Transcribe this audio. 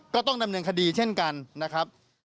ก็ต้องดำเนินคดีเช่นกันนะครับ